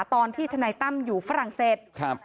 ตอนที่ทนัยตั้มอยู่ฝรั่งเศส